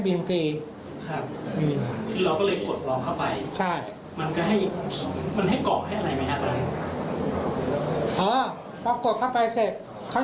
กี่นาทีตอนที่มันหยุดเงินเข้าไปครับ